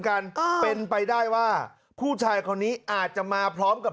คนอื่นขึ้นมา